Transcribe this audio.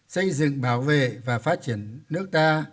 xây dựng bảo vệ và phát triển nước ta